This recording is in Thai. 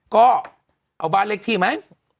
ก็เอาบ้านเลขที่ไหม